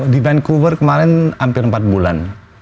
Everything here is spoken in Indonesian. di vancouver kemarin hampir empat bulan